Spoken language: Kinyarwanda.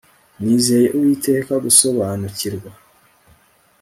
nizeye uwiteka gusobanukirwa